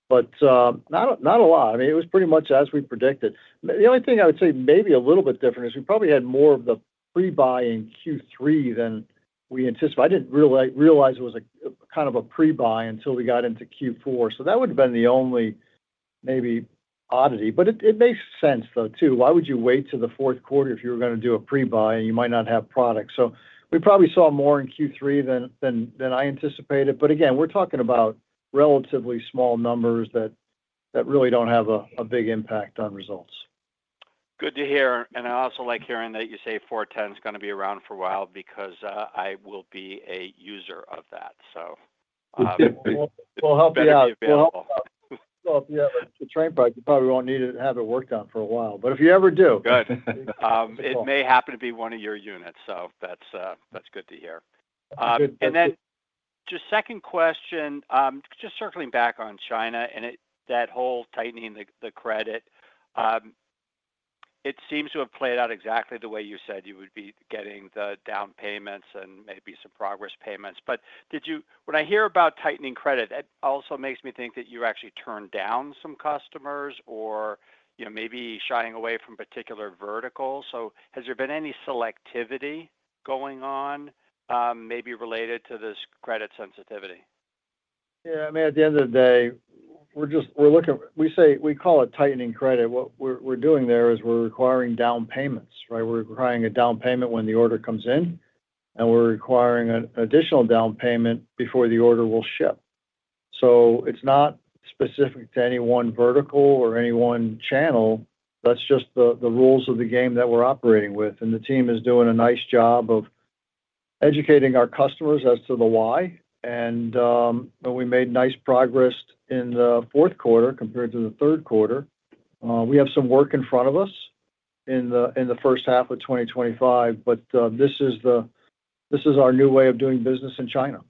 But not a lot. I mean, it was pretty much as we predicted. The only thing I would say maybe a little bit different is we probably had more of the pre-buy in Q3 than we anticipated. I didn't realize it was kind of a pre-buy until we got into Q4. So that would have been the only maybe oddity. But it makes sense, though, too. Why would you wait to the fourth quarter if you were going to do a pre-buy and you might not have product? So we probably saw more in Q3 than I anticipated. But again, we're talking about relatively small numbers that really don't have a big impact on results. Good to hear. And I also like hearing that you say 410 is going to be around for a while because I will be a user of that, so. We'll help you out. We'll help you out with the Trane product. You probably won't need to have it worked on for a while. But if you ever do. Good. It may happen to be one of your units. So that's good to hear. And then just second question, just circling back on China and that whole tightening the credit, it seems to have played out exactly the way you said you would be getting the down payments and maybe some progress payments. But when I hear about tightening credit, that also makes me think that you actually turned down some customers or maybe shying away from particular verticals. So has there been any selectivity going on maybe related to this credit sensitivity? Yeah. I mean, at the end of the day, we're looking, we call it tightening credit. What we're doing there is we're requiring down payments, right? We're requiring a down payment when the order comes in, and we're requiring an additional down payment before the order will ship. So it's not specific to any one vertical or any one channel. That's just the rules of the game that we're operating with. And the team is doing a nice job of educating our customers as to the why. And we made nice progress in the fourth quarter compared to the third quarter. We have some work in front of us in the first half of 2025, but this is our new way of doing business in China.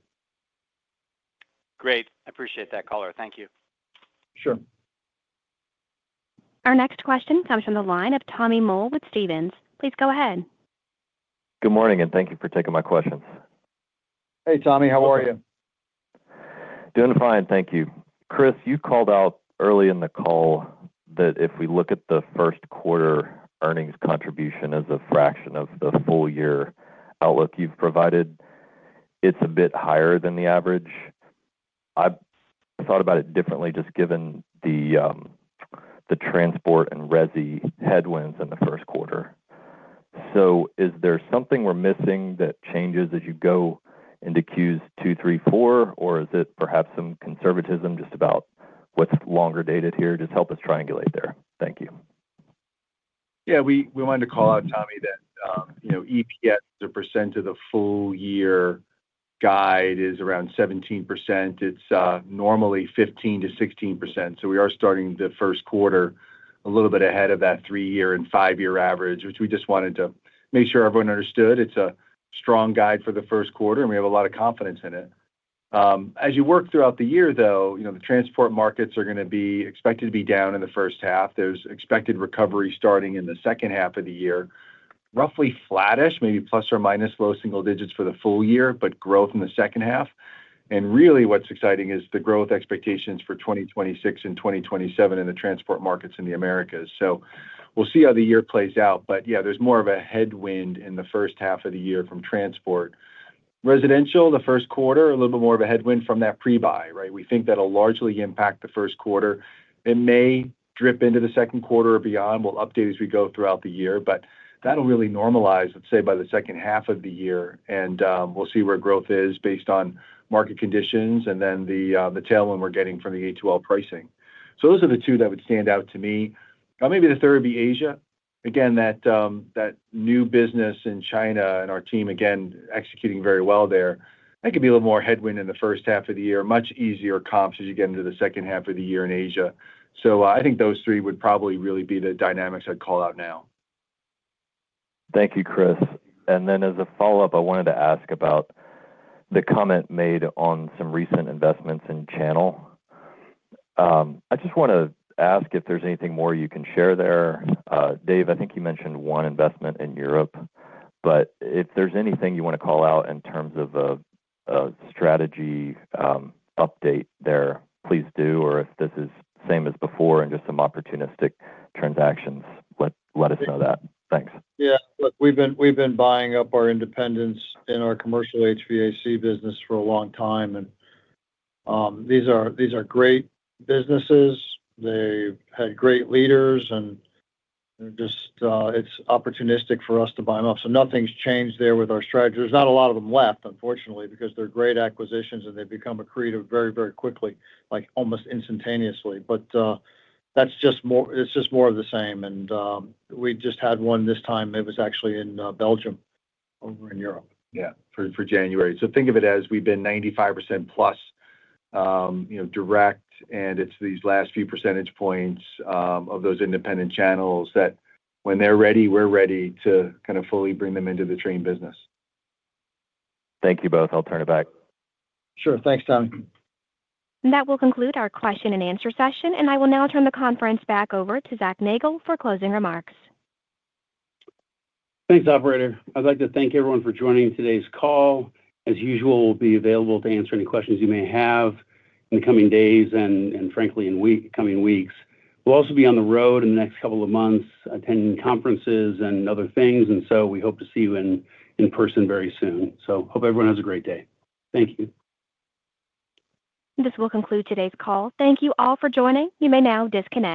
Great. I appreciate that, color. Thank you. Sure. Our next question comes from the line of Tommy Moll with Stephens. Please go ahead. Good morning, and thank you for taking my questions. Hey, Tommy. How are you? Doing fine. Thank you. Chris, you called out early in the call that if we look at the first quarter earnings contribution as a fraction of the full year outlook you've provided, it's a bit higher than the average. I thought about it differently just given the transport and Resi headwinds in the first quarter. So is there something we're missing that changes as you go into Qs two, three, four, or is it perhaps some conservatism just about what's longer dated here? Just help us triangulate there. Thank you. Yeah. We wanted to call out, Tommy, that EPS, the percent of the full year guide, is around 17%. It's normally 15%-16%. So we are starting the first quarter a little bit ahead of that three-year and five-year average, which we just wanted to make sure everyone understood. It's a strong guide for the first quarter, and we have a lot of confidence in it. As you work throughout the year, though, the transport markets are going to be expected to be down in the first half. There's expected recovery starting in the second half of the year. Roughly flattish, maybe plus or minus low single digits for the full year, but growth in the second half. And really, what's exciting is the growth expectations for 2026 and 2027 in the transport markets in the Americas. So we'll see how the year plays out. But yeah, there's more of a headwind in the first half of the year from transport. Residential, the first quarter, a little bit more of a headwind from that pre-buy, right? We think that'll largely impact the first quarter. It may drip into the second quarter or beyond. We'll update as we go throughout the year. But that'll really normalize, let's say, by the second half of the year. And we'll see where growth is based on market conditions and then the tailwind we're getting from the A2L pricing. So those are the two that would stand out to me. Maybe the third would be Asia. Again, that new business in China and our team, again, executing very well there. That could be a little more headwind in the first half of the year. Much easier comps as you get into the second half of the year in Asia. So I think those three would probably really be the dynamics I'd call out now. Thank you, Chris. And then as a follow-up, I wanted to ask about the comment made on some recent investments in channel. I just want to ask if there's anything more you can share there. Dave, I think you mentioned one investment in Europe. But if there's anything you want to call out in terms of a strategy update there, please do. Or if this is same as before and just some opportunistic transactions, let us know that. Thanks. Yeah. Look, we've been buying up our independents in our commercial HVAC business for a long time. And these are great businesses. They've had great leaders. And just it's opportunistic for us to buy them up. So nothing's changed there with our strategy. There's not a lot of them left, unfortunately, because they're great acquisitions and they've become accretive very, very quickly, almost instantaneously. But that's just more of the same. And we just had one this time. It was actually in Belgium over in Europe. Yeah. For January. So think of it as we've been 95% plus direct, and it's these last few percentage points of those independent channels that when they're ready, we're ready to kind of fully bring them into the Trane business. Thank you both. I'll turn it back. Sure. Thanks, Tommy. That will conclude our question and answer session. I will now turn the conference back over to Zac Nagle for closing remarks. Thanks, operator. I'd like to thank everyone for joining today's call. As usual, we'll be available to answer any questions you may have in the coming days and, frankly, in coming weeks. We'll also be on the road in the next couple of months attending conferences and other things. And so we hope to see you in person very soon. So hope everyone has a great day. Thank you. This will conclude today's call. Thank you all for joining. You may now disconnect.